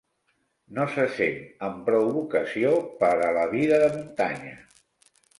No se sent amb prou vocació per a la vida de muntanya.